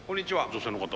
女性の方。